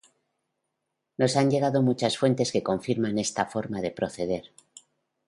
Nos han llegado muchas fuentes que confirman esta forma de proceder.